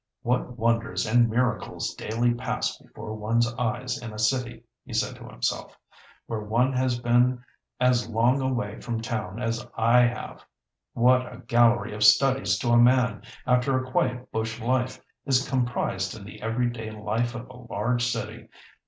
"What wonders and miracles daily pass before one's eyes in a city," he said to himself, "when one has been as long away from town as I have! What a gallery of studies to a man, after a quiet bush life, is comprised in the everyday life of a large city!